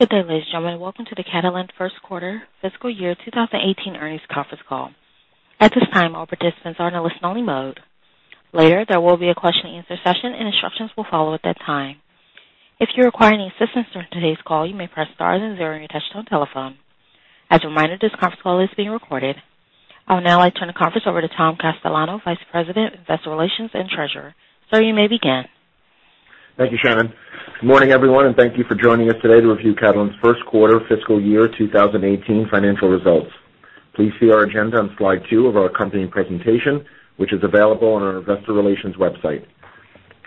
Good day, ladies and gentlemen. Welcome to the Catalent First Quarter Fiscal Year 2018 Earnings Conference Call. At this time, all participants are in a listen-only mode. Later, there will be a question-and-answer session, and instructions will follow at that time. If you require any assistance during today's call, you may press star and then zero on your touch-tone telephone. As a reminder, this conference call is being recorded. I will now turn the conference over to Tom Castellano, Vice President, Investor Relations and Treasurer. Sir, you may begin. Thank you, Shannon. Good morning, everyone, and thank you for joining us today to review Catalent's First Quarter Fiscal Year 2018 financial results. Please see our agenda on slide two of our company presentation, which is available on our Investor Relations website.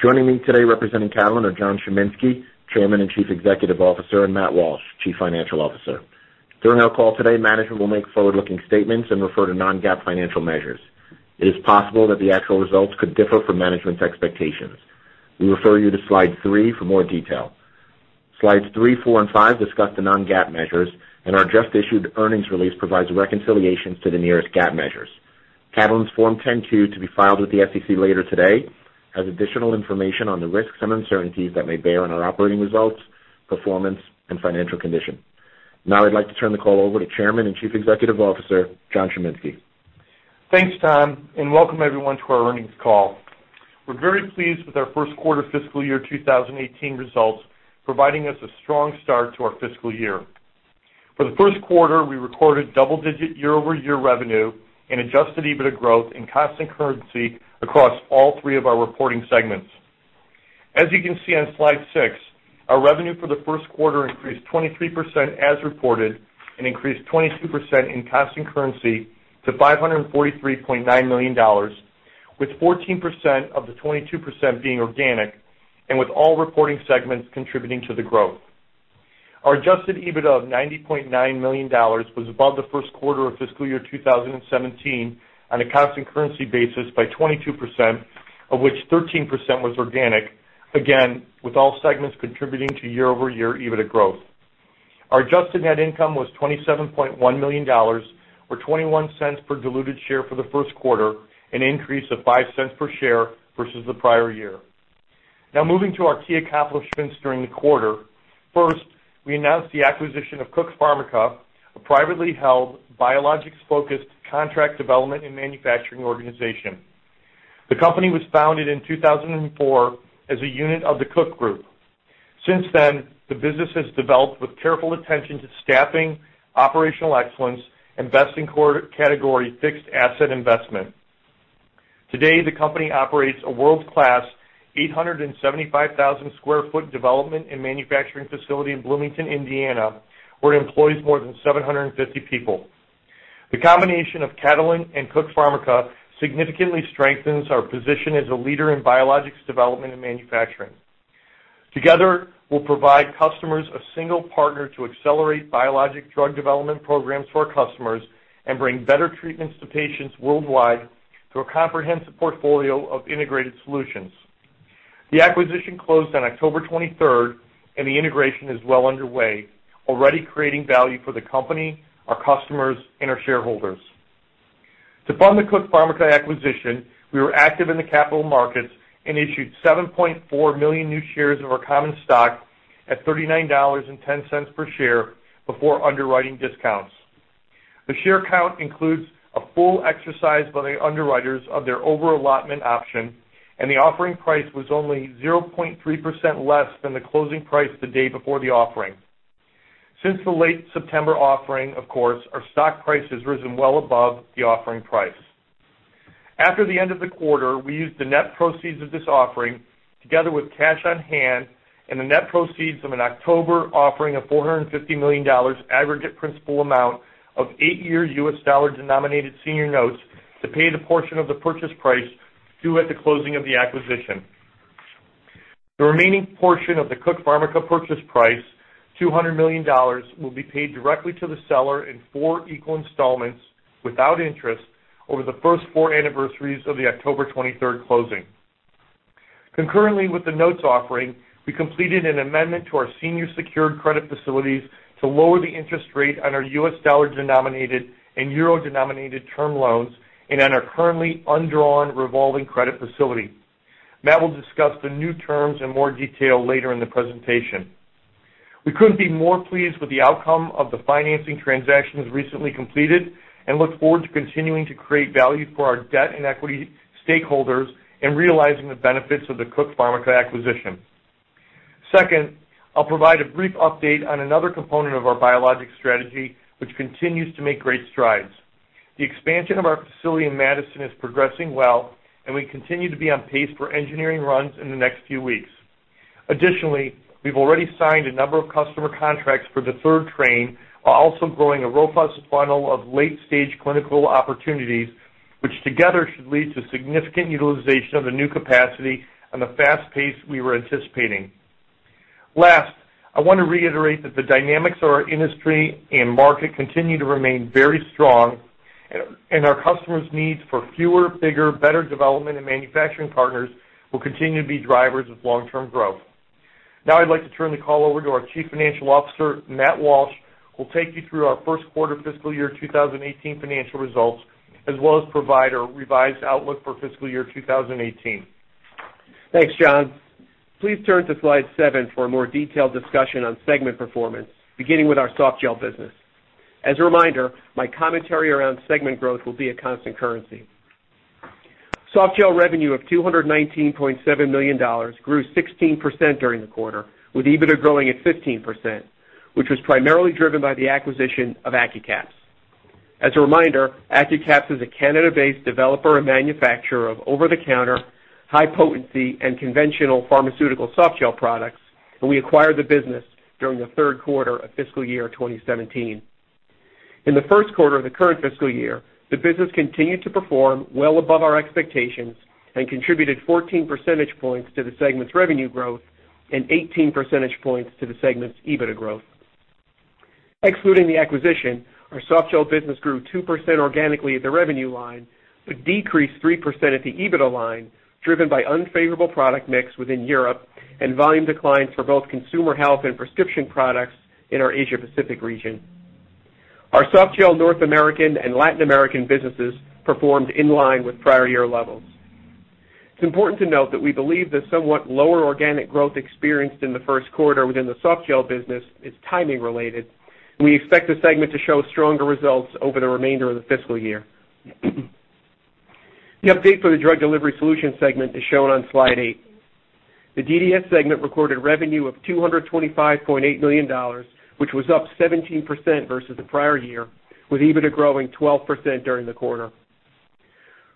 Joining me today representing Catalent are John Chiminski, Chairman and Chief Executive Officer, and Matt Walsh, Chief Financial Officer. During our call today, management will make forward-looking statements and refer to non-GAAP financial measures. It is possible that the actual results could differ from management's expectations. We refer you to slide three for more detail. Slides three, four, and five discuss the non-GAAP measures, and our just-issued earnings release provides reconciliations to the nearest GAAP measures. Catalent's Form 10-Q, to be filed with the SEC later today, has additional information on the risks and uncertainties that may bear on our operating results, performance, and financial condition. Now, I'd like to turn the call over to Chairman and Chief Executive Officer, John Chiminski. Thanks, Tom, and welcome, everyone, to our earnings call. We're very pleased with our first quarter fiscal year 2018 results, providing us a strong start to our fiscal year. For the first quarter, we recorded double-digit year-over-year revenue and Adjusted EBITDA growth in constant currency across all three of our reporting segments. As you can see on slide six, our revenue for the first quarter increased 23% as reported and increased 22% in constant currency to $543.9 million, with 14% of the 22% being organic and with all reporting segments contributing to the growth. Our Adjusted EBITDA of $90.9 million was above the first quarter of fiscal year 2017 on a constant currency basis by 22%, of which 13% was organic, again with all segments contributing to year-over-year EBITDA growth. Our adjusted net income was $27.1 million, or $0.21 per diluted share for the first quarter, an increase of $0.05 per share versus the prior year. Now, moving to our key accomplishments during the quarter, first, we announced the acquisition of Cook Pharmica, a privately held biologics-focused contract development and manufacturing organization. The company was founded in 2004 as a unit of the Cook Group. Since then, the business has developed with careful attention to staffing, operational excellence, and best in category fixed asset investment. Today, the company operates a world-class 875,000 sq ft development and manufacturing facility in Bloomington, Indiana, where it employs more than 750 people. The combination of Catalent and Cook Pharmica significantly strengthens our position as a leader in biologics development and manufacturing. Together, we'll provide customers a single partner to accelerate biologic drug development programs for our customers and bring better treatments to patients worldwide through a comprehensive portfolio of integrated solutions. The acquisition closed on October 23rd, and the integration is well underway, already creating value for the company, our customers, and our shareholders. To fund the Cook Pharmica acquisition, we were active in the capital markets and issued 7.4 million new shares of our common stock at $39.10 per share before underwriting discounts. The share count includes a full exercise by the underwriters of their over-allotment option, and the offering price was only 0.3% less than the closing price the day before the offering. Since the late September offering, of course, our stock price has risen well above the offering price. After the end of the quarter, we used the net proceeds of this offering together with cash on hand and the net proceeds from an October offering of $450 million aggregate principal amount of eight-year U.S. dollar denominated senior notes to pay the portion of the purchase price due at the closing of the acquisition. The remaining portion of the Cook Pharmica purchase price, $200 million, will be paid directly to the seller in four equal installments without interest over the first four anniversaries of the October 23rd closing. Concurrently with the notes offering, we completed an amendment to our senior secured credit facilities to lower the interest rate on our U.S. dollar denominated and euro denominated term loans and on our currently undrawn revolving credit facility. Matt will discuss the new terms in more detail later in the presentation. We couldn't be more pleased with the outcome of the financing transactions recently completed and look forward to continuing to create value for our debt and equity stakeholders and realizing the benefits of the Cook Pharmica acquisition. Second, I'll provide a brief update on another component of our biologic strategy, which continues to make great strides. The expansion of our facility in Madison is progressing well, and we continue to be on pace for engineering runs in the next few weeks. Additionally, we've already signed a number of customer contracts for the third train, while also growing a robust funnel of late-stage clinical opportunities, which together should lead to significant utilization of the new capacity and the fast pace we were anticipating. Last, I want to reiterate that the dynamics of our industry and market continue to remain very strong, and our customers' needs for fewer, bigger, better development and manufacturing partners will continue to be drivers of long-term growth. Now, I'd like to turn the call over to our Chief Financial Officer, Matt Walsh, who will take you through our First Quarter Fiscal Year 2018 financial results, as well as provide our revised outlook for fiscal year 2018. Thanks, John. Please turn to slide seven for a more detailed discussion on segment performance, beginning with our softgel business. As a reminder, my commentary around segment growth will be at constant currency. Softgel revenue of $219.7 million grew 16% during the quarter, with EBITDA growing at 15%, which was primarily driven by the acquisition of Accucaps. As a reminder, Accucaps is a Canada-based developer and manufacturer of over-the-counter, high-potency, and conventional pharmaceutical softgel products, and we acquired the business during the third quarter of fiscal year 2017. In the first quarter of the current fiscal year, the business continued to perform well above our expectations and contributed 14 percentage points to the segment's revenue growth and 18 percentage points to the segment's EBITDA growth. Excluding the acquisition, our softgel business grew 2% organically at the revenue line, but decreased 3% at the EBITDA line, driven by unfavorable product mix within Europe and volume declines for both consumer health and prescription products in our Asia-Pacific region. Our softgel North American and Latin American businesses performed in line with prior year levels. It's important to note that we believe the somewhat lower organic growth experienced in the first quarter within the softgel business is timing related, and we expect the segment to show stronger results over the remainder of the fiscal year. The update for the Drug Delivery Solutions segment is shown on slide eight. The DDS segment recorded revenue of $225.8 million, which was up 17% versus the prior year, with EBITDA growing 12% during the quarter.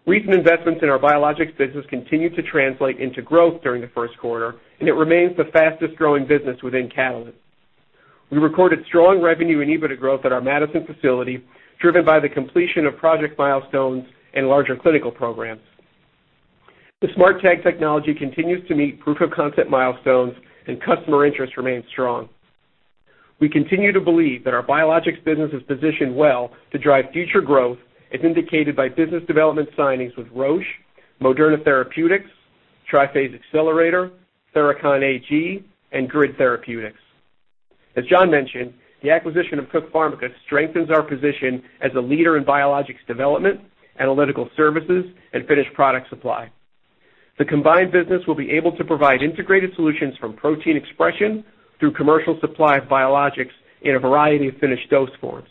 Recent investments in our biologics business continue to translate into growth during the first quarter, and it remains the fastest-growing business within Catalent. We recorded strong revenue and EBITDA growth at our Madison facility, driven by the completion of project milestones and larger clinical programs. The SMARTag technology continues to meet proof-of-concept milestones, and customer interest remains strong. We continue to believe that our biologics business is positioned well to drive future growth, as indicated by business development signings with Roche, Moderna Therapeutics, Triphase Accelerator, Therachon AG, and Grid Therapeutics. As John mentioned, the acquisition of Cook Pharmica strengthens our position as a leader in biologics development, analytical services, and finished product supply. The combined business will be able to provide integrated solutions from protein expression through commercial supply of biologics in a variety of finished dose forms.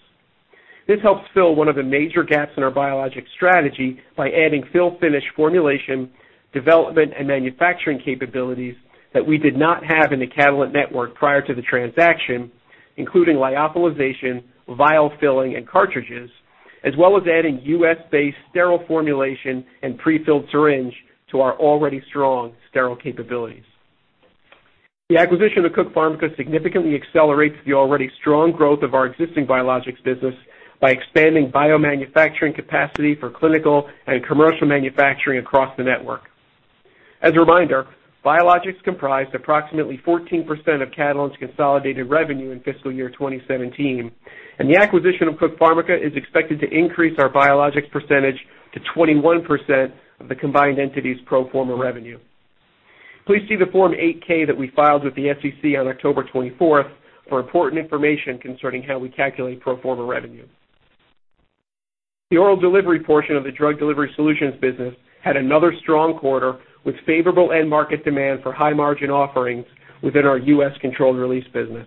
This helps fill one of the major gaps in our biologics strategy by adding fill-finish formulation, development, and manufacturing capabilities that we did not have in the Catalent network prior to the transaction, including lyophilization, vial filling, and cartridges, as well as adding U.S.-based sterile formulation and prefilled syringe to our already strong sterile capabilities. The acquisition of Cook Pharmica significantly accelerates the already strong growth of our existing biologics business by expanding biomanufacturing capacity for clinical and commercial manufacturing across the network. As a reminder, biologics comprised approximately 14% of Catalent's consolidated revenue in fiscal year 2017, and the acquisition of Cook Pharmica is expected to increase our biologics percentage to 21% of the combined entity's pro forma revenue. Please see the Form 8-K that we filed with the SEC on October 24th for important information concerning how we calculate pro forma revenue. The oral delivery portion of the Drug Delivery Solutions business had another strong quarter with favorable end-market demand for high-margin offerings within our U.S. controlled release business.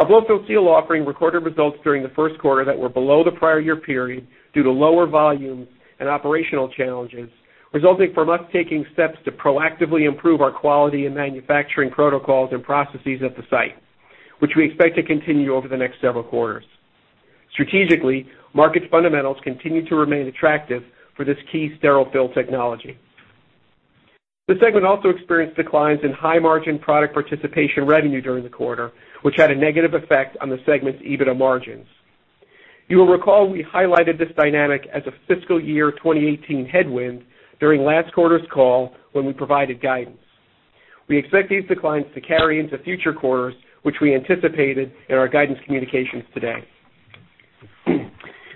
Our Blow-Fill-Seal offering recorded results during the first quarter that were below the prior year period due to lower volumes and operational challenges, resulting from us taking steps to proactively improve our quality and manufacturing protocols and processes at the site, which we expect to continue over the next several quarters. Strategically, market fundamentals continue to remain attractive for this key sterile fill technology. The segment also experienced declines in high-margin product participation revenue during the quarter, which had a negative effect on the segment's EBITDA margins. You will recall we highlighted this dynamic as a fiscal year 2018 headwind during last quarter's call when we provided guidance. We expect these declines to carry into future quarters, which we anticipated in our guidance communications today.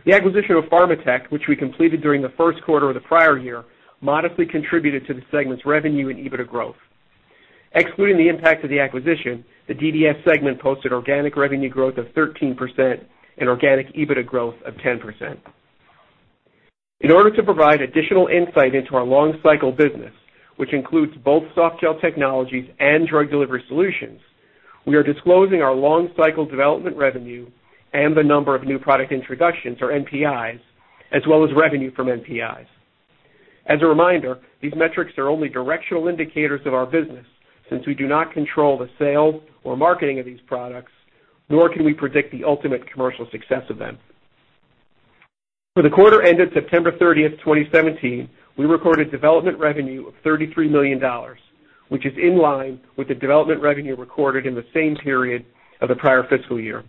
The acquisition of Pharmatek, which we completed during the first quarter of the prior year, modestly contributed to the segment's revenue and EBITDA growth. Excluding the impact of the acquisition, the DDS segment posted organic revenue growth of 13% and organic EBITDA growth of 10%. In order to provide additional insight into our long-cycle business, which includes both Softgel Technologies and Drug Delivery Solutions, we are disclosing our long-cycle development revenue and the number of new product introductions, or NPIs, as well as revenue from NPIs. As a reminder, these metrics are only directional indicators of our business since we do not control the sale or marketing of these products, nor can we predict the ultimate commercial success of them. For the quarter ended September 30th, 2017, we recorded development revenue of $33 million, which is in line with the development revenue recorded in the same period of the prior fiscal year.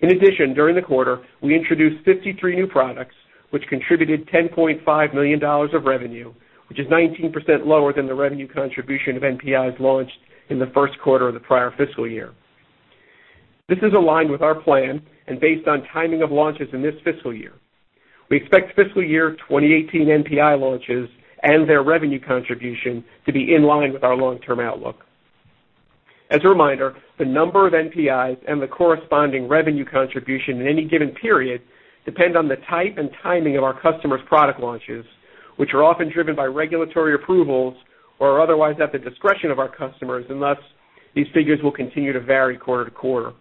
In addition, during the quarter, we introduced 53 new products, which contributed $10.5 million of revenue, which is 19% lower than the revenue contribution of NPIs launched in the first quarter of the prior fiscal year. This is aligned with our plan and based on timing of launches in this fiscal year. We expect fiscal year 2018 NPI launches and their revenue contribution to be in line with our long-term outlook. As a reminder, the number of NPIs and the corresponding revenue contribution in any given period depend on the type and timing of our customers' product launches, which are often driven by regulatory approvals or are otherwise at the discretion of our customers. Unless these figures will continue to vary quarter to quarter.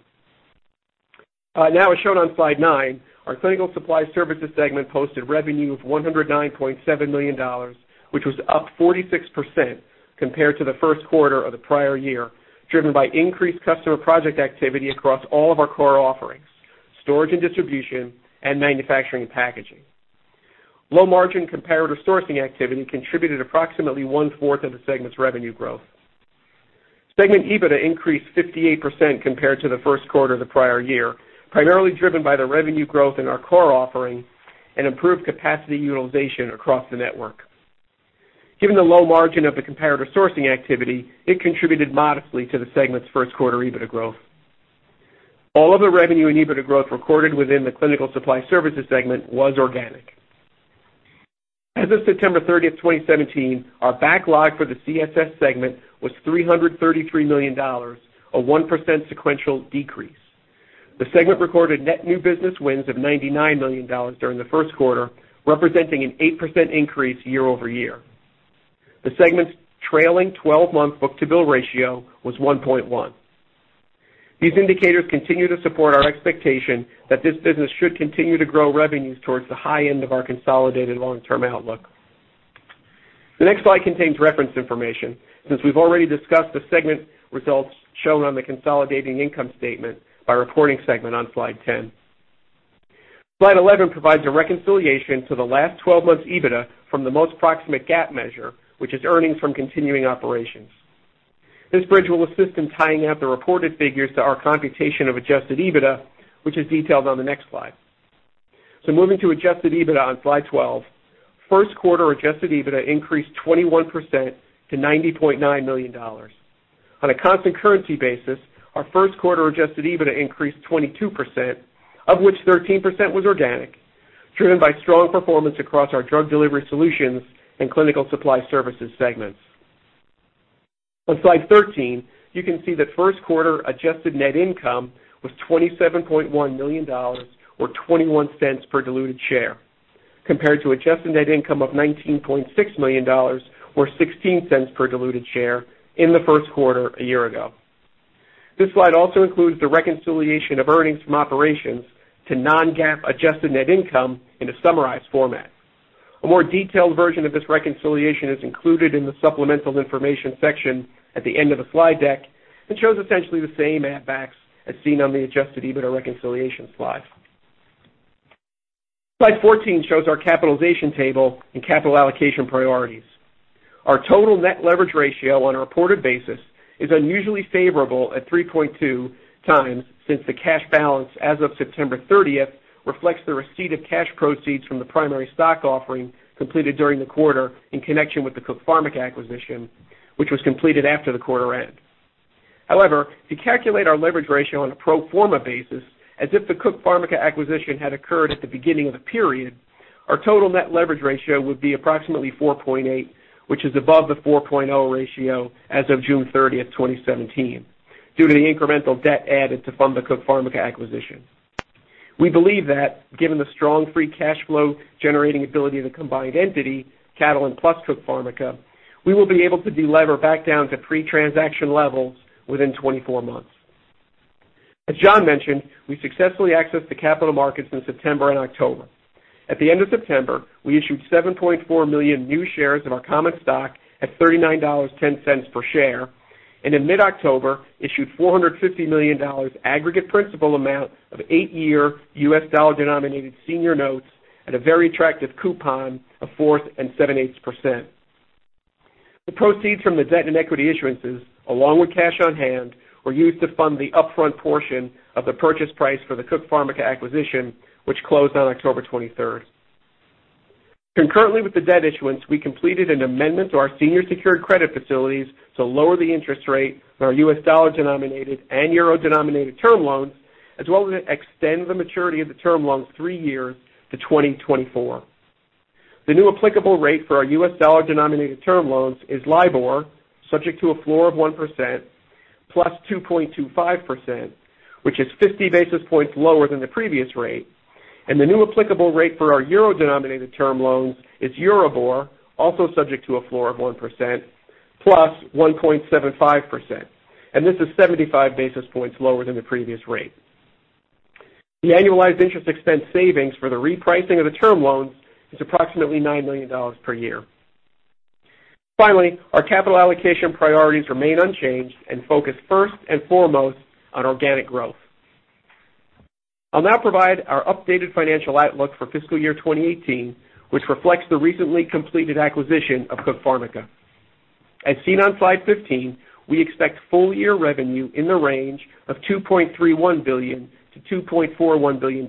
Now, as shown on slide nine, our Clinical Supply Services segment posted revenue of $109.7 million, which was up 46% compared to the first quarter of the prior year, driven by increased customer project activity across all of our core offerings: storage and distribution, and manufacturing and packaging. Low-margin comparator sourcing activity contributed approximately one-fourth of the segment's revenue growth. Segment EBITDA increased 58% compared to the first quarter of the prior year, primarily driven by the revenue growth in our core offering and improved capacity utilization across the network. Given the low margin of the comparator sourcing activity, it contributed modestly to the segment's first quarter EBITDA growth. All of the revenue and EBITDA growth recorded within the Clinical Supply Services segment was organic. As of September 30th, 2017, our backlog for the CSS segment was $333 million, a 1% sequential decrease. The segment recorded net new business wins of $99 million during the first quarter, representing an 8% increase year-over-year. The segment's trailing 12-month book-to-bill ratio was 1.1. These indicators continue to support our expectation that this business should continue to grow revenues towards the high end of our consolidated long-term outlook. The next slide contains reference information since we've already discussed the segment results shown on the consolidated income statement by reporting segment on slide 10. Slide 11 provides a reconciliation to the last 12 months' EBITDA from the most proximate GAAP measure, which is earnings from continuing operations. This bridge will assist in tying the reported figures to our computation of adjusted EBITDA, which is detailed on the next slide. So moving to adjusted EBITDA on slide 12, first quarter adjusted EBITDA increased 21% to $90.9 million. On a constant currency basis, our first quarter adjusted EBITDA increased 22%, of which 13% was organic, driven by strong performance across our Drug Delivery Solutions and Clinical Supply Services segments. On slide 13, you can see that first quarter adjusted net income was $27.1 million, or $0.21 per diluted share, compared to adjusted net income of $19.6 million, or $0.16 per diluted share in the first quarter a year ago. This slide also includes the reconciliation of earnings from operations to non-GAAP adjusted net income in a summarized format. A more detailed version of this reconciliation is included in the supplemental information section at the end of the slide deck and shows essentially the same add-backs as seen on the adjusted EBITDA reconciliation slide. Slide 14 shows our capitalization table and capital allocation priorities. Our total net leverage ratio on a reported basis is unusually favorable at 3.2 times since the cash balance as of September 30th reflects the receipt of cash proceeds from the primary stock offering completed during the quarter in connection with the Cook Pharmica acquisition, which was completed after the quarter end. However, if you calculate our leverage ratio on a pro forma basis, as if the Cook Pharmica acquisition had occurred at the beginning of the period, our total net leverage ratio would be approximately 4.8, which is above the 4.0 ratio as of June 30th, 2017, due to the incremental debt added to fund the Cook Pharmica acquisition. We believe that, given the strong free cash flow generating ability of the combined entity, Catalent plus Cook Pharmica, we will be able to delever back down to pre-transaction levels within 24 months. As John mentioned, we successfully accessed the capital markets in September and October. At the end of September, we issued 7.4 million new shares of our common stock at $39.10 per share, and in mid-October, issued $450 million aggregate principal amount of eight-year U.S. dollar-denominated senior notes at a very attractive coupon of 4.78%. The proceeds from the debt and equity issuances, along with cash on hand, were used to fund the upfront portion of the purchase price for the Cook Pharmica acquisition, which closed on October 23rd. Concurrently with the debt issuance, we completed an amendment to our senior secured credit facilities to lower the interest rate on our U.S. dollar-denominated and euro-denominated term loans, as well as extend the maturity of the term loans three years to 2024. The new applicable rate for our U.S. dollar-denominated term loans is LIBOR, subject to a floor of 1%, plus 2.25%, which is 50 basis points lower than the previous rate, and the new applicable rate for our euro-denominated term loans is EURIBOR, also subject to a floor of 1%, plus 1.75%, and this is 75 basis points lower than the previous rate. The annualized interest expense savings for the repricing of the term loans is approximately $9 million per year. Finally, our capital allocation priorities remain unchanged and focus first and foremost on organic growth. I'll now provide our updated financial outlook for fiscal year 2018, which reflects the recently completed acquisition of Cook Pharmica. As seen on slide 15, we expect full year revenue in the range of $2.31 billion-$2.41 billion.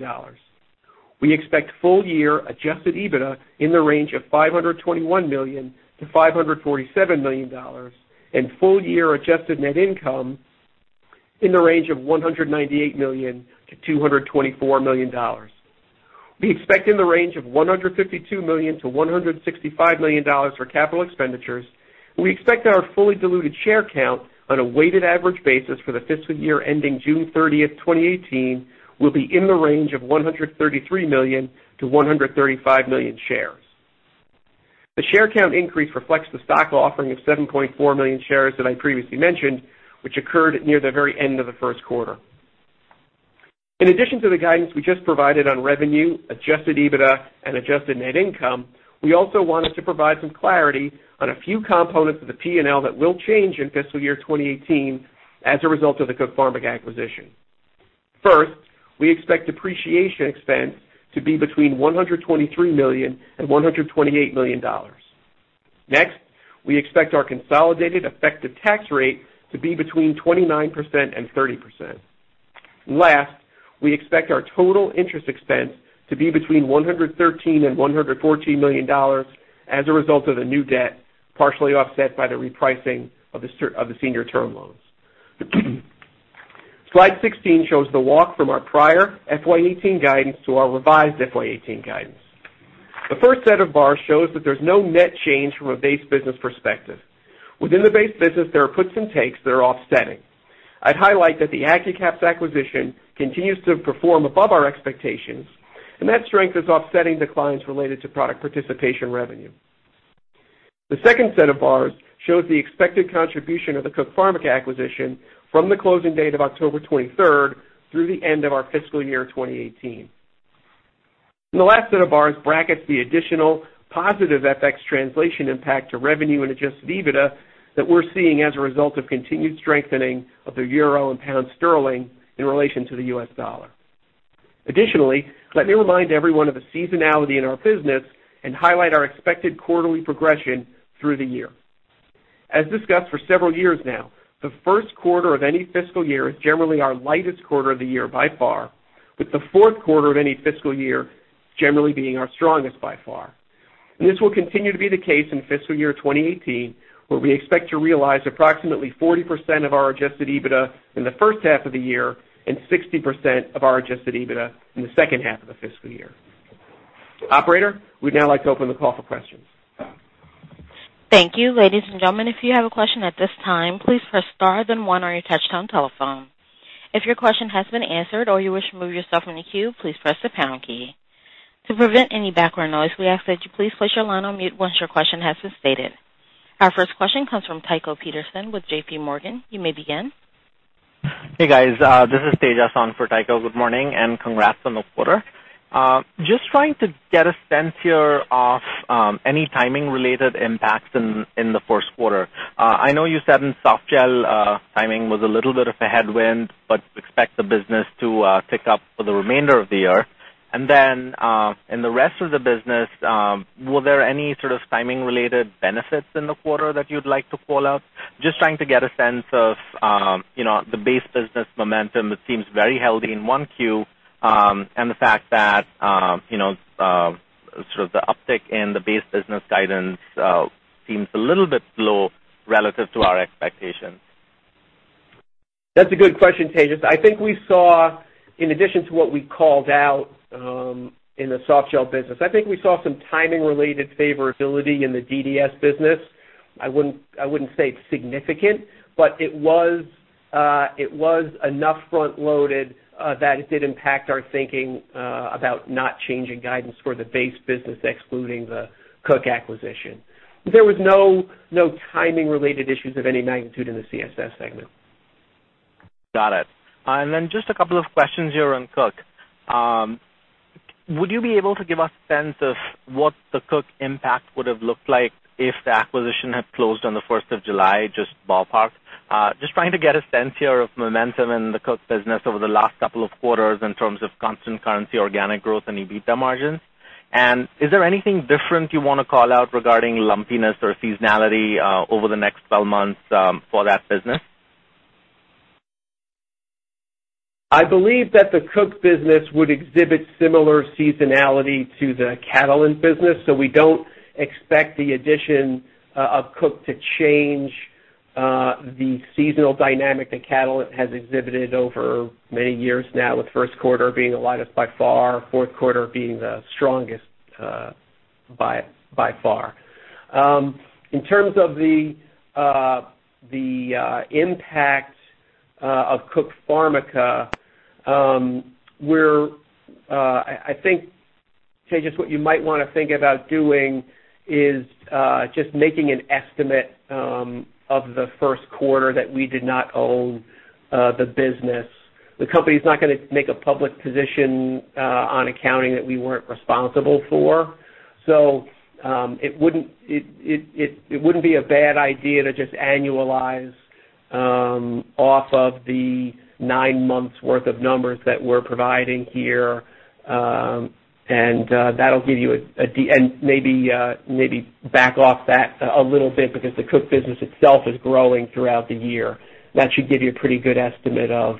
We expect full year adjusted EBITDA in the range of $521 million-$547 million, and full year adjusted net income in the range of $198 million-$224 million. We expect in the range of $152 million-$165 million for capital expenditures, and we expect our fully diluted share count on a weighted average basis for the fiscal year ending June 30th, 2018, will be in the range of 133 million-135 million shares. The share count increase reflects the stock offering of 7.4 million shares that I previously mentioned, which occurred near the very end of the first quarter. In addition to the guidance we just provided on revenue, Adjusted EBITDA, and Adjusted Net Income, we also wanted to provide some clarity on a few components of the P&L that will change in fiscal year 2018 as a result of the Cook Pharmica acquisition. First, we expect depreciation expense to be between $123 million and $128 million. Next, we expect our consolidated effective tax rate to be between 29% and 30%. Last, we expect our total interest expense to be between $113 and $114 million as a result of the new debt, partially offset by the repricing of the senior term loans. Slide 16 shows the walk from our prior FY 18 guidance to our revised FY 18 guidance. The first set of bars shows that there's no net change from a base business perspective. Within the base business, there are puts and takes that are offsetting. I'd highlight that the Accucaps acquisition continues to perform above our expectations, and that strength is offsetting declines related to product participation revenue. The second set of bars shows the expected contribution of the Cook Pharmica acquisition from the closing date of October 23rd through the end of our fiscal year 2018. The last set of bars brackets the additional positive FX translation impact to revenue and Adjusted EBITDA that we're seeing as a result of continued strengthening of the euro and pound sterling in relation to the U.S. dollar. Additionally, let me remind everyone of the seasonality in our business and highlight our expected quarterly progression through the year. As discussed for several years now, the first quarter of any fiscal year is generally our lightest quarter of the year by far, with the fourth quarter of any fiscal year generally being our strongest by far. And this will continue to be the case in fiscal year 2018, where we expect to realize approximately 40% of our Adjusted EBITDA in the first half of the year and 60% of our Adjusted EBITDA in the second half of the fiscal year. Operator, we'd now like to open the call for questions. Thank you. Ladies and gentlemen, if you have a question at this time, please press star then one on your touch-tone telephone. If your question has been answered or you wish to move yourself from the queue, please press the pound key. To prevent any background noise, we ask that you please place your line on mute once your question has been stated. Our first question comes from Tycho Peterson with JPMorgan. You may begin. Hey, guys. This is Tejas on for Tycho. Good morning and congrats on the quarter. Just trying to get a sense here of any timing-related impacts in the first quarter. I know you said in Softgel timing was a little bit of a headwind, but expect the business to tick up for the remainder of the year. And then in the rest of the business, were there any sort of timing-related benefits in the quarter that you'd like to call out? Just trying to get a sense of the base business momentum. It seems very healthy in Q1, and the fact that sort of the uptick in the base business guidance seems a little bit slow relative to our expectations. That's a good question, Tejas. I think we saw, in addition to what we called out in the Softgel business, I think we saw some timing-related favorability in the DDS business. I wouldn't say it's significant, but it was enough front-loaded that it did impact our thinking about not changing guidance for the base business, excluding the Cook acquisition. There was no timing-related issues of any magnitude in the CSS segment. Got it. And then just a couple of questions here on Cook. Would you be able to give us a sense of what the Cook impact would have looked like if the acquisition had closed on the 1st of July, just ballpark? Just trying to get a sense here of momentum in the Cook business over the last couple of quarters in terms of constant currency, organic growth, and EBITDA margins. And is there anything different you want to call out regarding lumpiness or seasonality over the next 12 months for that business? I believe that the Cook business would exhibit similar seasonality to the Catalent business, so we don't expect the addition of Cook to change the seasonal dynamic that Catalent has exhibited over many years now, with first quarter being the lightest by far, fourth quarter being the strongest by far. In terms of the impact of Cook Pharmica, I think, Tejas, what you might want to think about doing is just making an estimate of the first quarter that we did not own the business. The company is not going to make a public position on accounting that we weren't responsible for, so it wouldn't be a bad idea to just annualize off of the nine months' worth of numbers that we're providing here, and that'll give you a maybe back off that a little bit because the Cook business itself is growing throughout the year. That should give you a pretty good estimate of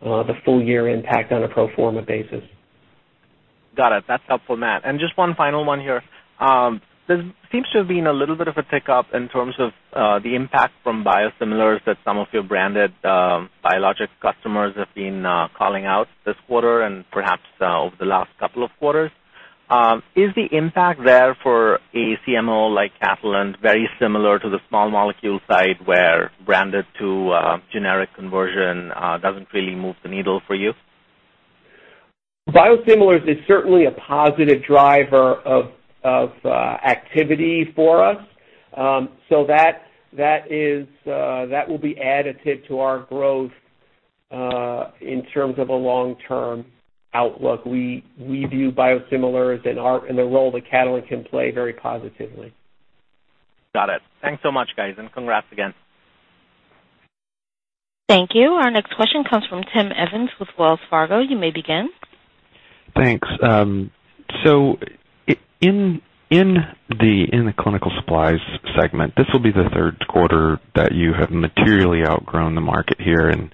the full year impact on a pro forma basis. Got it. That's helpful, Matt. And just one final one here. There seems to have been a little bit of a tick up in terms of the impact from biosimilars that some of your branded biologic customers have been calling out this quarter and perhaps over the last couple of quarters. Is the impact there for a CMO like Catalent very similar to the small molecule side where branded to generic conversion doesn't really move the needle for you? Biosimilars is certainly a positive driver of activity for us, so that will be additive to our growth in terms of a long-term outlook. We view biosimilars and the role that Catalent can play very positively. Got it. Thanks so much, guys, and congrats again. Thank you. Our next question comes from Tim Evans with Wells Fargo. You may begin. Thanks. So in the clinical supplies segment, this will be the third quarter that you have materially outgrown the market here, and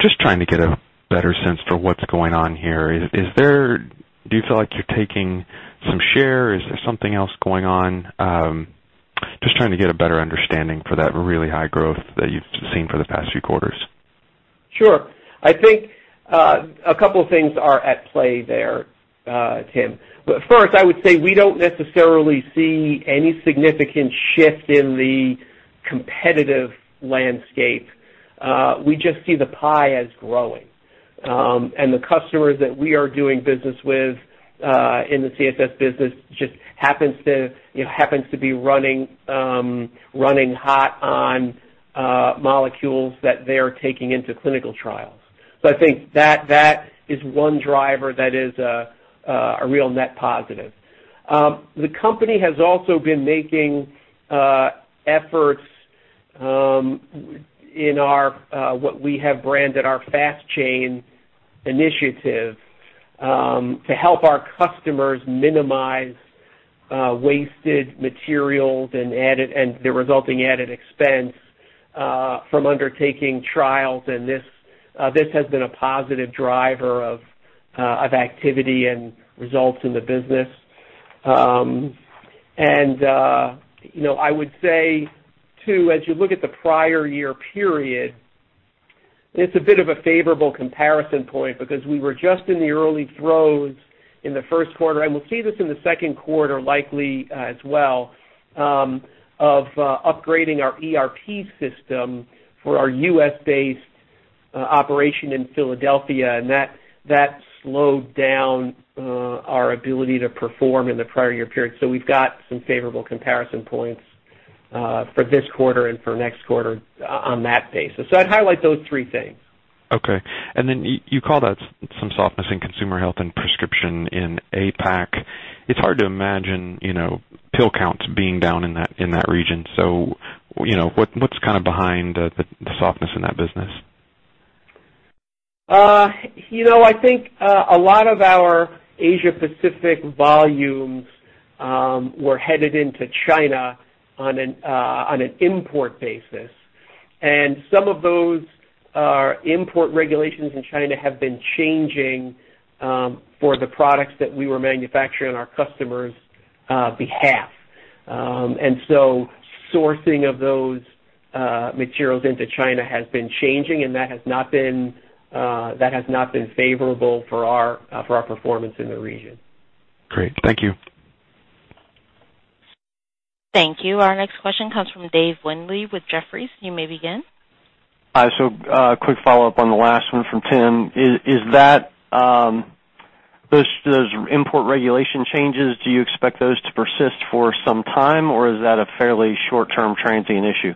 just trying to get a better sense for what's going on here. Do you feel like you're taking some share? Is there something else going on? Just trying to get a better understanding for that really high growth that you've seen for the past few quarters. Sure. I think a couple of things are at play there, Tim. First, I would say we don't necessarily see any significant shift in the competitive landscape. We just see the pie as growing, and the customers that we are doing business with in the CSS business just happens to be running hot on molecules that they're taking into clinical trials. So I think that is one driver that is a real net positive. The company has also been making efforts in what we have branded our FastChain initiative to help our customers minimize wasted materials and the resulting added expense from undertaking trials, and this has been a positive driver of activity and results in the business. I would say, too, as you look at the prior year period, it's a bit of a favorable comparison point because we were just in the early throes in the first quarter, and we'll see this in the second quarter likely as well of upgrading our ERP system for our U.S.-based operation in Philadelphia, and that slowed down our ability to perform in the prior year period. We've got some favorable comparison points for this quarter and for next quarter on that basis. I'd highlight those three things. Okay, and then you call that some softness in consumer health and prescription in APAC. It's hard to imagine pill counts being down in that region, so what's kind of behind the softness in that business? I think a lot of our Asia-Pacific volumes were headed into China on an import basis, and some of those import regulations in China have been changing for the products that we were manufacturing on our customers' behalf, and so sourcing of those materials into China has been changing, and that has not been favorable for our performance in the region. Great. Thank you. Thank you. Our next question comes from Dave Windley with Jefferies. You may begin. So quick follow-up on the last one from Tim. Those import regulation changes, do you expect those to persist for some time, or is that a fairly short-term transient issue?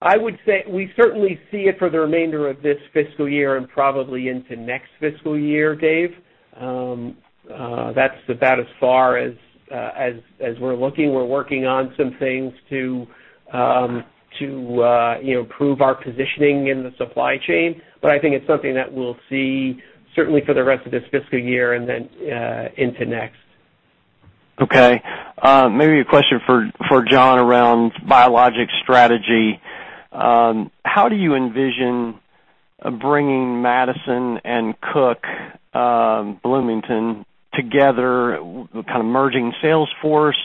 I would say we certainly see it for the remainder of this fiscal year and probably into next fiscal year, Dave. That's about as far as we're looking. We're working on some things to improve our positioning in the supply chain, but I think it's something that we'll see certainly for the rest of this fiscal year and then into next. Okay. Maybe a question for John around biologic strategy. How do you envision bringing Madison and Cook Bloomington together, kind of merging sales force,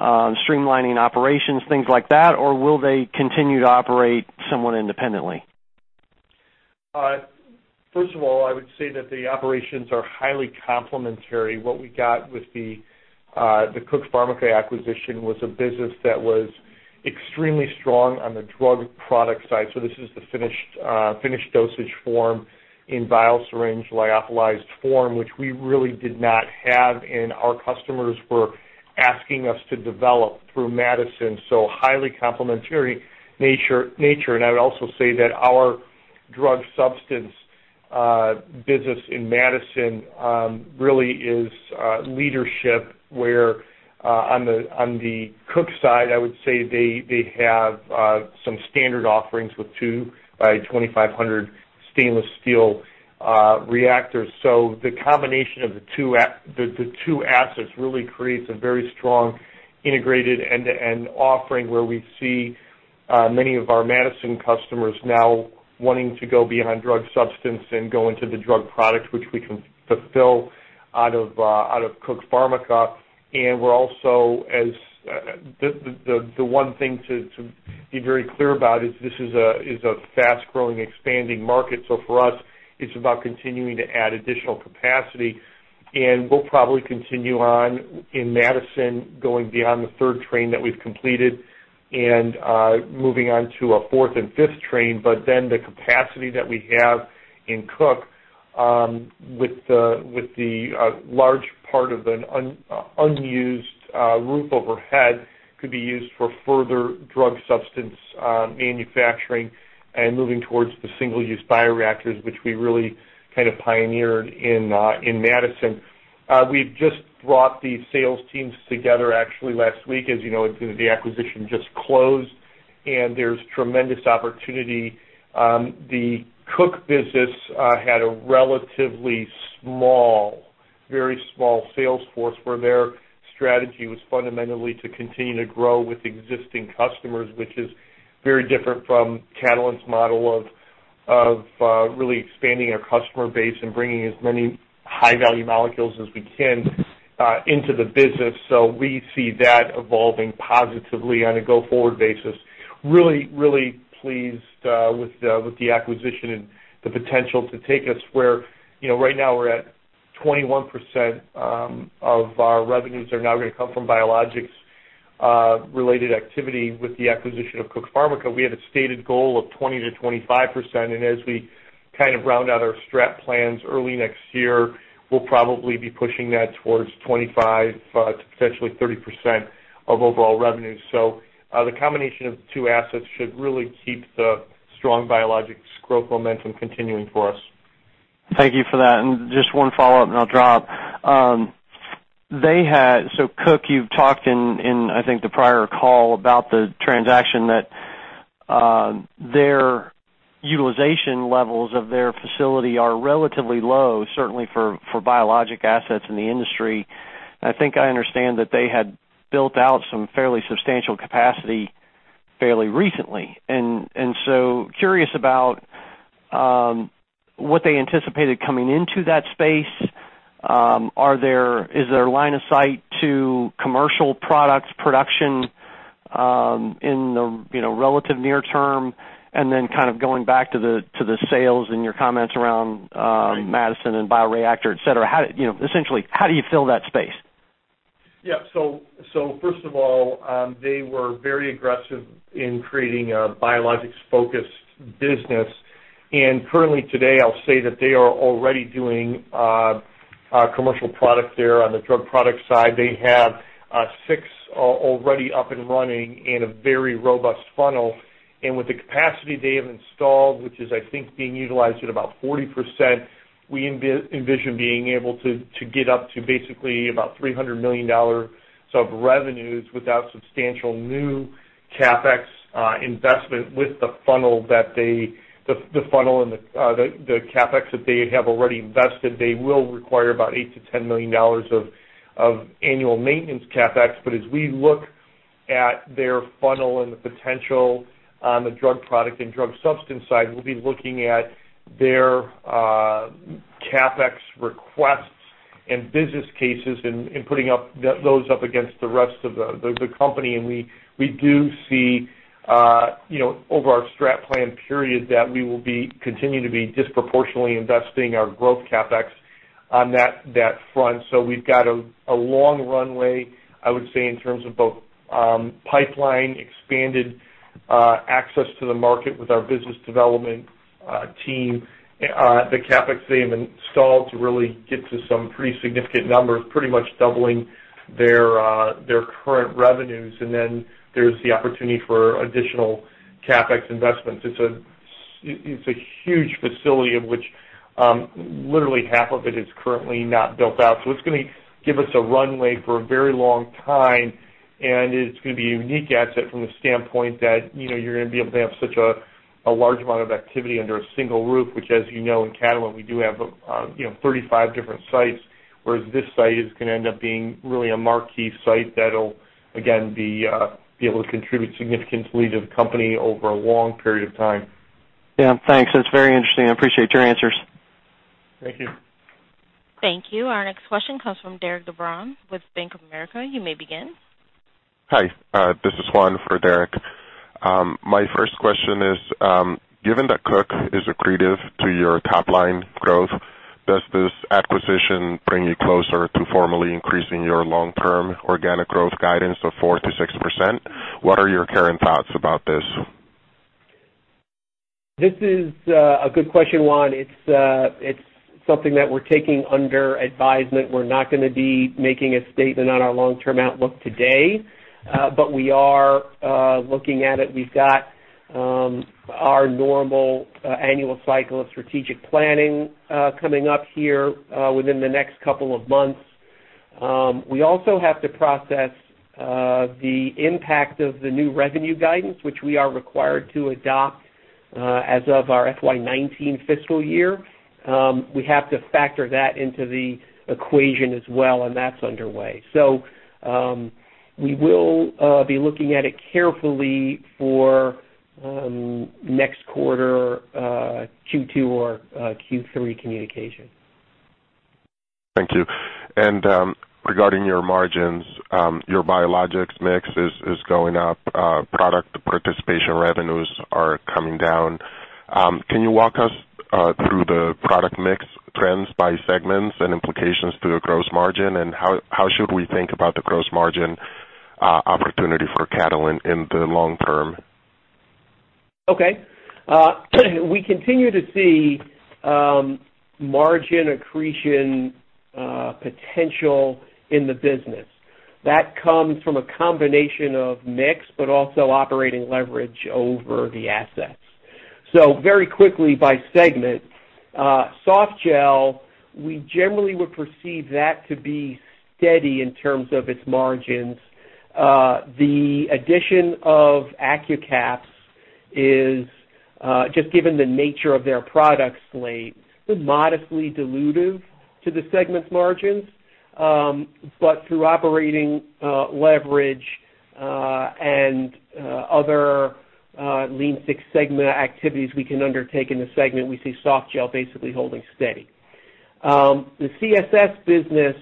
streamlining operations, things like that, or will they continue to operate somewhat independently? First of all, I would say that the operations are highly complementary. What we got with the Cook Pharmica acquisition was a business that was extremely strong on the drug product side. So this is the finished dosage form in vial, syringe, lyophilized form, which we really did not have, and our customers were asking us to develop through Madison. So highly complementary nature. And I would also say that our drug substance business in Madison really is leadership where on the Cook side, I would say they have some standard offerings with two by 2,500 stainless steel reactors. So the combination of the two assets really creates a very strong integrated end-to-end offering where we see many of our Madison customers now wanting to go beyond drug substance and go into the drug product, which we can fulfill out of Cook Pharmica. And we're also, as the one thing to be very clear about is this is a fast-growing, expanding market. So for us, it's about continuing to add additional capacity, and we'll probably continue on in Madison going beyond the third train that we've completed and moving on to a fourth and fifth train. But then the capacity that we have in Cook with the large part of an unused roof overhead could be used for further drug substance manufacturing and moving towards the single-use bioreactors, which we really kind of pioneered in Madison. We've just brought the sales teams together actually last week. As you know, the acquisition just closed, and there's tremendous opportunity. The Cook business had a relatively small, very small sales force where their strategy was fundamentally to continue to grow with existing customers, which is very different from Catalent's model of really expanding our customer base and bringing as many high-value molecules as we can into the business. We see that evolving positively on a go-forward basis. We are really, really pleased with the acquisition and the potential to take us where right now we are at 21% of our revenues are now going to come from biologics-related activity with the acquisition of Cook Pharmica. We had a stated goal of 20%-25%, and as we kind of round out our strategic plans early next year, we will probably be pushing that towards 25%-30% of overall revenue. The combination of the two assets should really keep the strong biologics growth momentum continuing for us. Thank you for that. And just one follow-up, and I'll drop. So Cook, you've talked in, I think, the prior call about the transaction that their utilization levels of their facility are relatively low, certainly for biologic assets in the industry. I think I understand that they had built out some fairly substantial capacity fairly recently, and so curious about what they anticipated coming into that space. Is there line of sight to commercial products production in the relative near term? And then kind of going back to the sales and your comments around Madison and bioreactor, etc., essentially, how do you fill that space? Yeah. So first of all, they were very aggressive in creating a biologics-focused business, and currently today, I'll say that they are already doing commercial product there on the drug product side. They have six already up and running in a very robust funnel, and with the capacity they have installed, which is, I think, being utilized at about 40%, we envision being able to get up to basically about $300 million of revenues without substantial new CapEx investment with the funnel and the CapEx that they have already invested. They will require about $8 million-$10 million of annual maintenance CapEx. But as we look at their funnel and the potential on the drug product and drug substance side, we'll be looking at their CapEx requests and business cases and putting those up against the rest of the company. And we do see over our strategic plan period that we will continue to be disproportionately investing our growth CapEx on that front. So we've got a long runway, I would say, in terms of both pipeline, expanded access to the market with our business development team, the CapEx they have installed to really get to some pretty significant numbers, pretty much doubling their current revenues. And then there's the opportunity for additional CapEx investments. It's a huge facility of which literally half of it is currently not built out. So it's going to give us a runway for a very long time, and it's going to be a unique asset from the standpoint that you're going to be able to have such a large amount of activity under a single roof, which, as you know, in Catalent, we do have 35 different sites, whereas this site is going to end up being really a marquee site that'll, again, be able to contribute significantly to the company over a long period of time. Yeah. Thanks. That's very interesting. I appreciate your answers. Thank you. Thank you. Our next question comes from Derik de Bruin with Bank of America. You may begin. Hi. This is Juan for Derek. My first question is, given that Cook is accretive to your top-line growth, does this acquisition bring you closer to formally increasing your long-term organic growth guidance of 4%-6%? What are your current thoughts about this? This is a good question, Juan. It's something that we're taking under advisement. We're not going to be making a statement on our long-term outlook today, but we are looking at it. We've got our normal annual cycle of strategic planning coming up here within the next couple of months. We also have to process the impact of the new revenue guidance, which we are required to adopt as of our FY19 fiscal year. We have to factor that into the equation as well, and that's underway. So we will be looking at it carefully for next quarter Q2 or Q3 communication. Thank you, and regarding your margins, your biologics mix is going up. Product participation revenues are coming down. Can you walk us through the product mix trends by segments and implications to the gross margin, and how should we think about the gross margin opportunity for Catalent in the long term? Okay. We continue to see margin accretion potential in the business. That comes from a combination of mix but also operating leverage over the assets. So very quickly by segment, Softgel, we generally would perceive that to be steady in terms of its margins. The addition of Accucaps is, just given the nature of their product slate, modestly dilutive to the segment's margins, but through operating leverage and other Lean Six Sigma activities we can undertake in the segment, we see Softgel basically holding steady. The CSS business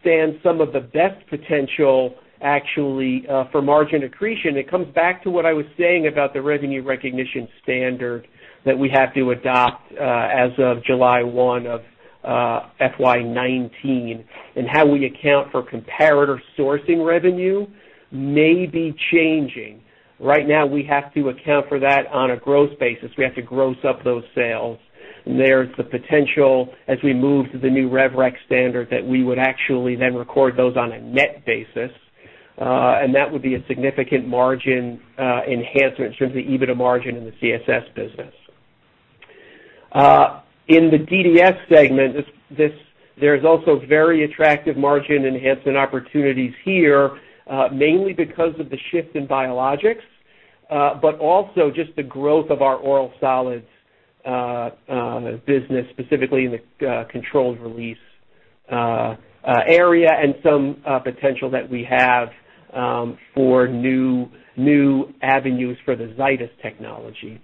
stands some of the best potential actually for margin accretion. It comes back to what I was saying about the revenue recognition standard that we have to adopt as of July 1 of FY 2019, and how we account for comparator sourcing revenue may be changing. Right now, we have to account for that on a gross basis. We have to gross up those sales. And there's the potential, as we move to the new rev rec standard, that we would actually then record those on a net basis, and that would be a significant margin enhancement in terms of the EBITDA margin in the CSS business. In the DDS segment, there's also very attractive margin enhancement opportunities here, mainly because of the shift in biologics, but also just the growth of our oral solids business, specifically in the controlled release area and some potential that we have for new avenues for the Zydis technology.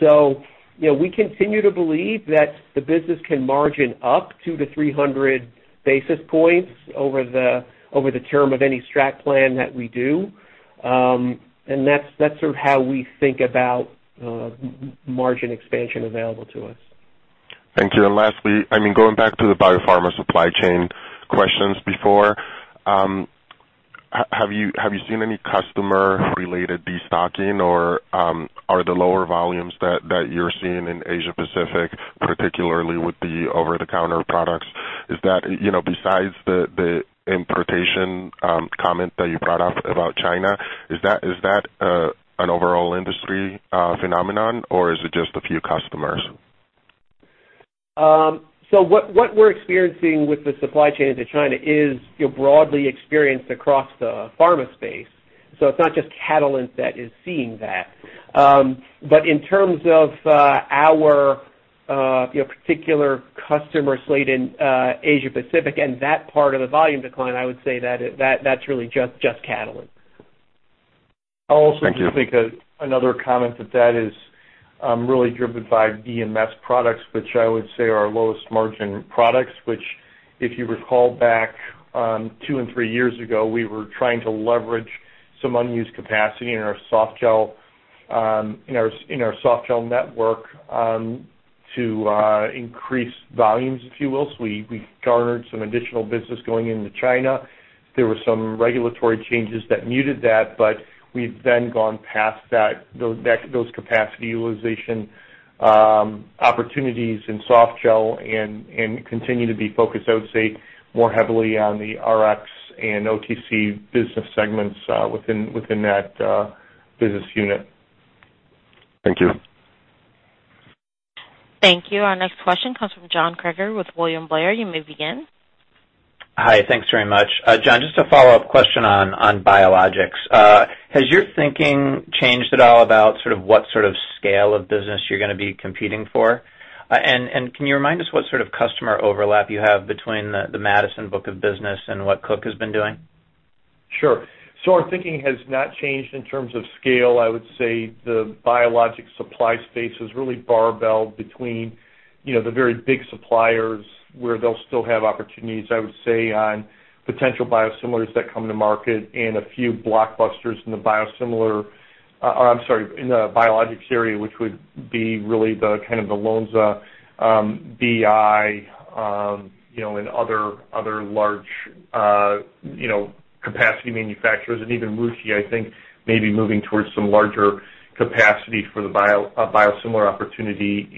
So we continue to believe that the business can margin up two to 300 basis points over the term of any strat plan that we do, and that's sort of how we think about margin expansion available to us. Thank you. And lastly, I mean, going back to the biopharma supply chain questions before, have you seen any customer-related destocking, or are the lower volumes that you're seeing in Asia-Pacific, particularly with the over-the-counter products, besides the importation comment that you brought up about China, an overall industry phenomenon, or is it just a few customers? So what we're experiencing with the supply chain to China is broadly experienced across the pharma space. So it's not just Catalent that is seeing that. But in terms of our particular customer slate in Asia-Pacific and that part of the volume decline, I would say that that's really just Catalent. Thank you. I also think another comment that is really driven by DDS products, which I would say are our lowest margin products, which if you recall back two and three years ago, we were trying to leverage some unused capacity in our Softgel network to increase volumes, if you will. So we garnered some additional business going into China. There were some regulatory changes that muted that, but we've then gone past those capacity utilization opportunities in Softgel and continue to be focused, I would say, more heavily on the Rx and OTC business segments within that business unit. Thank you. Thank you. Our next question comes from John Kreger with William Blair. You may begin. Hi. Thanks very much. John, just a follow-up question on biologics. Has your thinking changed at all about sort of what sort of scale of business you're going to be competing for? And can you remind us what sort of customer overlap you have between the Madison book of business and what Cook has been doing? Sure. So our thinking has not changed in terms of scale. I would say the biologics supply space has really barbelled between the very big suppliers where they'll still have opportunities, I would say, on potential biosimilars that come to market and a few blockbusters in the biosimilar or I'm sorry, in the biologics area, which would be really the kind of the Lonza, BI, and other large capacity manufacturers. And even Roche, I think, may be moving towards some larger capacity for the biosimilar opportunity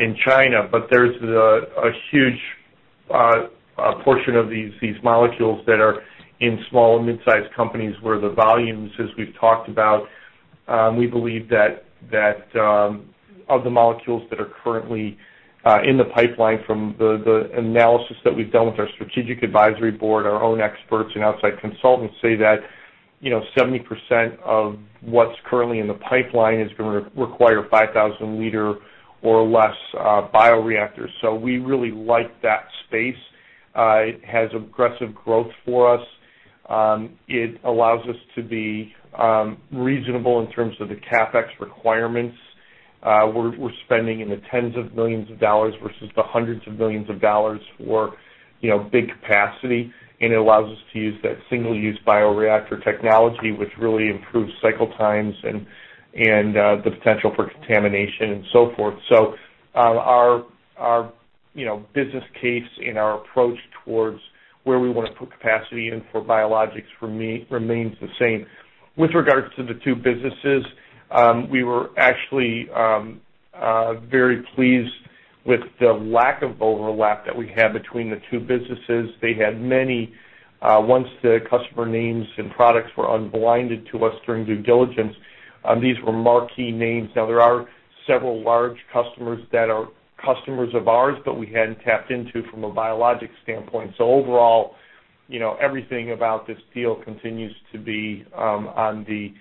in China. But there's a huge portion of these molecules that are in small and mid-sized companies where the volumes, as we've talked about, we believe that of the molecules that are currently in the pipeline from the analysis that we've done with our strategic advisory board, our own experts, and outside consultants say that 70% of what's currently in the pipeline is going to require 5,000 liter or less bioreactors. So we really like that space. It has aggressive growth for us. It allows us to be reasonable in terms of the CapEx requirements. We're spending in the tens of millions of dollars versus the hundreds of millions of dollars for big capacity, and it allows us to use that single-use bioreactor technology, which really improves cycle times and the potential for contamination and so forth. So our business case and our approach towards where we want to put capacity in for biologics remains the same. With regards to the two businesses, we were actually very pleased with the lack of overlap that we had between the two businesses. They had many. Once the customer names and products were unblinded to us during due diligence, these were marquee names. Now, there are several large customers that are customers of ours, but we hadn't tapped into from a biologic standpoint. So overall, everything about this deal continues to be on the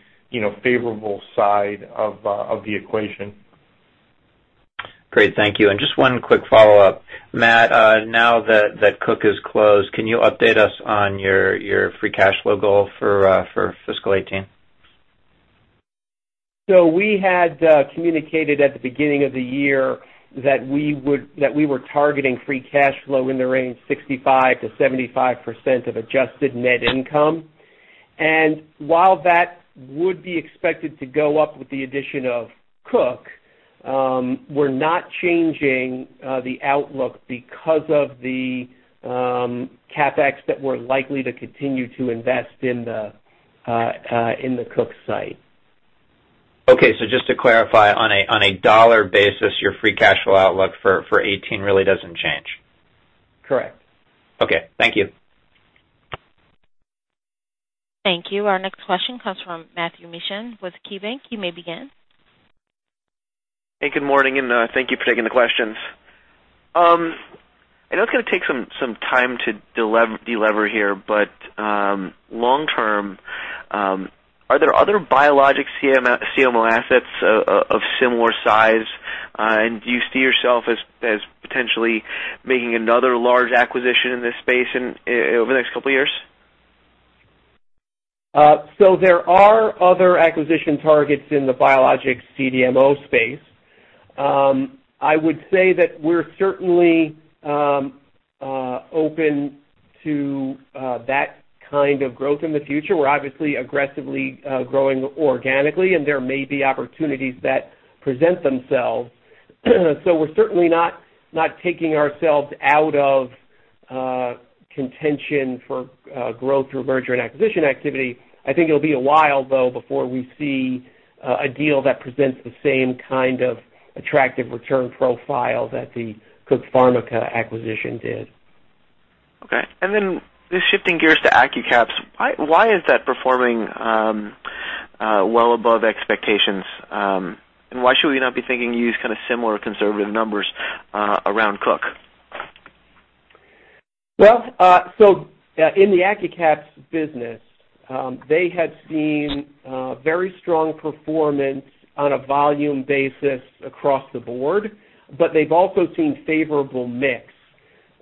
favorable side of the equation. Great. Thank you. And just one quick follow-up. Matt, now that Cook is closed, can you update us on your free cash flow goal for fiscal 2018? We had communicated at the beginning of the year that we were targeting free cash flow in the range 65%-75% of Adjusted Net Income. While that would be expected to go up with the addition of Cook, we're not changing the outlook because of the CapEx that we're likely to continue to invest in the Cook site. Okay. So just to clarify, on a dollar basis, your free cash flow outlook for 2018 really doesn't change? Correct. Okay. Thank you. Thank you. Our next question comes from Matthew Mishan with KeyBanc. You may begin. Hey. Good morning, and thank you for taking the questions. I know it's going to take some time to deliver here, but long term, are there other biologics CMO assets of similar size? And do you see yourself as potentially making another large acquisition in this space over the next couple of years? So there are other acquisition targets in the biologics CDMO space. I would say that we're certainly open to that kind of growth in the future. We're obviously aggressively growing organically, and there may be opportunities that present themselves. So we're certainly not taking ourselves out of contention for growth through merger and acquisition activity. I think it'll be a while, though, before we see a deal that presents the same kind of attractive return profile that the Cook Pharmica acquisition did. Okay, and then shifting gears to Accucaps, why is that performing well above expectations, and why should we not be thinking to use kind of similar conservative numbers around Cook? In the Accucaps business, they had seen very strong performance on a volume basis across the board, but they've also seen favorable mix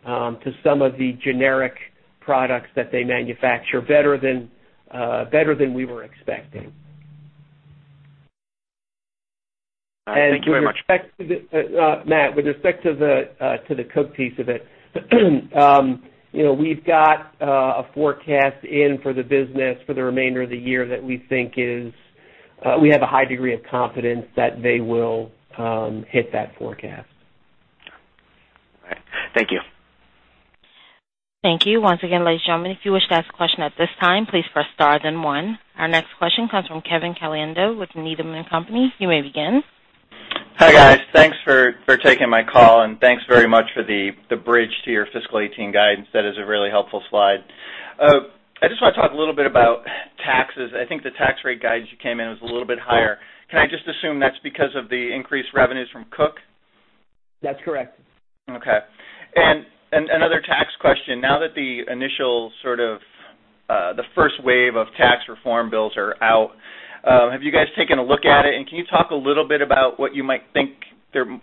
to some of the generic products that they manufacture better than we were expecting. Thank you very much. With respect to the math, with respect to the Cook piece of it, we've got a forecast in for the business for the remainder of the year that we think we have a high degree of confidence that they will hit that forecast. All right. Thank you. Thank you. Once again, ladies and gentlemen, if you wish to ask a question at this time, please press star then one. Our next question comes from Kevin Caliendo with Needham & Company. You may begin. Hi guys. Thanks for taking my call, and thanks very much for the bridge to your fiscal 2018 guidance. That is a really helpful slide. I just want to talk a little bit about taxes. I think the tax rate guidance you came in was a little bit higher. Can I just assume that's because of the increased revenues from Cook? That's correct. Okay. And another tax question. Now that the initial sort of the first wave of tax reform bills are out, have you guys taken a look at it? And can you talk a little bit about what you might think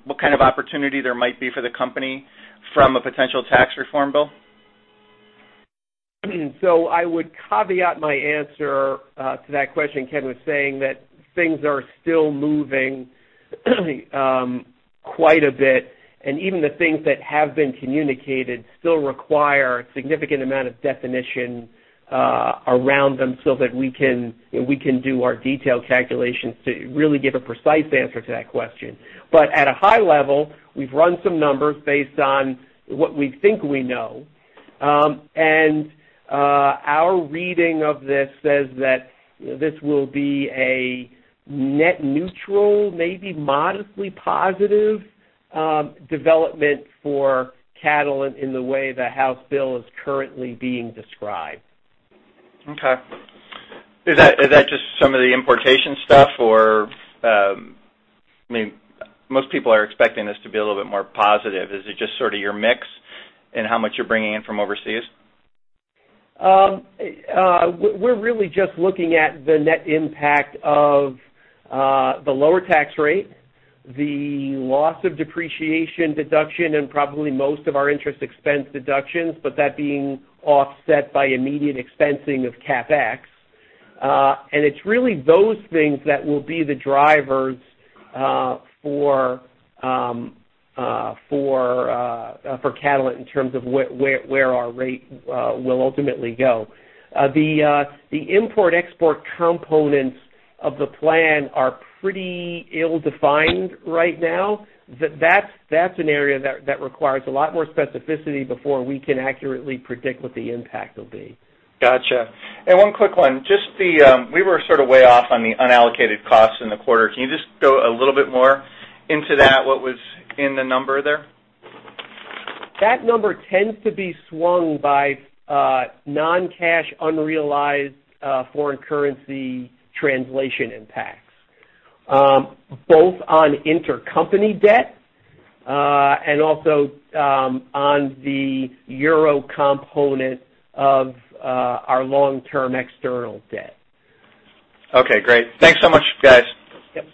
what kind of opportunity there might be for the company from a potential tax reform bill? So I would caveat my answer to that question, Kevin, with saying that things are still moving quite a bit, and even the things that have been communicated still require a significant amount of definition around them so that we can do our detailed calculations to really give a precise answer to that question. But at a high level, we've run some numbers based on what we think we know, and our reading of this says that this will be a net neutral, maybe modestly positive development for Catalent in the way the House bill is currently being described. Okay. Is that just some of the importation stuff, or I mean, most people are expecting this to be a little bit more positive? Is it just sort of your mix and how much you're bringing in from overseas? We're really just looking at the net impact of the lower tax rate, the loss of depreciation deduction, and probably most of our interest expense deductions, but that being offset by immediate expensing of CapEx, and it's really those things that will be the drivers for Catalent in terms of where our rate will ultimately go. The import-export components of the plan are pretty ill-defined right now. That's an area that requires a lot more specificity before we can accurately predict what the impact will be. Gotcha. And one quick one. Just the we were sort of way off on the unallocated costs in the quarter. Can you just go a little bit more into that? What was in the number there? That number tends to be swung by non-cash unrealized foreign currency translation impacts, both on intercompany debt and also on the euro component of our long-term external debt. Okay. Great. Thanks so much, guys. Yep.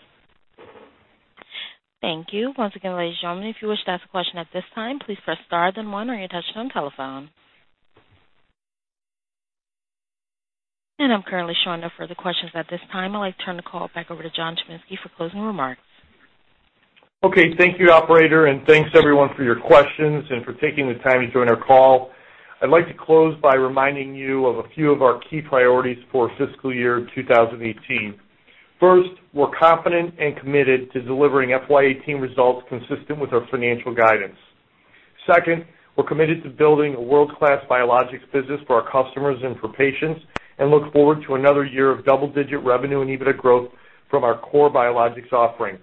Thank you. Once again, ladies and gentlemen, if you wish to ask a question at this time, please press star then one or you're using a touch-tone telephone. And I'm currently showing no further questions at this time. I'd like to turn the call back over to John Chiminski for closing remarks. Okay. Thank you, operator, and thanks everyone for your questions and for taking the time to join our call. I'd like to close by reminding you of a few of our key priorities for fiscal year 2018. First, we're confident and committed to delivering FY 2018 results consistent with our financial guidance. Second, we're committed to building a world-class biologics business for our customers and for patients and look forward to another year of double-digit revenue and EBITDA growth from our core biologics offering.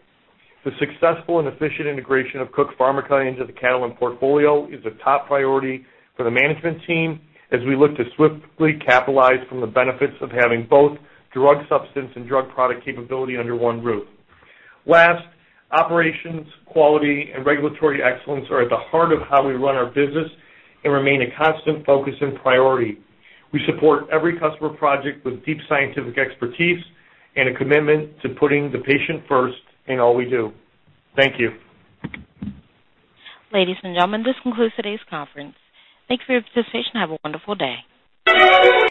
The successful and efficient integration of Cook Pharmica into the Catalent portfolio is a top priority for the management team as we look to swiftly capitalize from the benefits of having both drug substance and drug product capability under one roof. Last, operations, quality, and regulatory excellence are at the heart of how we run our business and remain a constant focus and priority. We support every customer project with deep scientific expertise and a commitment to putting the patient first in all we do. Thank you. Ladies and gentlemen, this concludes today's conference. Thank you for your participation. Have a wonderful day.